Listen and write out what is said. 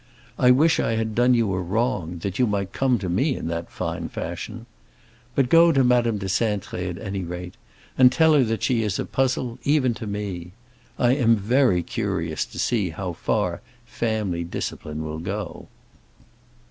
I wish I had done you a wrong, that you might come to me in that fine fashion! But go to Madame de Cintré at any rate, and tell her that she is a puzzle even to me. I am very curious to see how far family discipline will go."